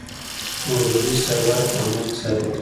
مولوي سرور په عمل کې ثابته کړه.